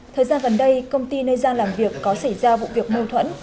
thời gian gần đây công ty nơi giang làm việc có xảy ra vụ việc mâu thuẫn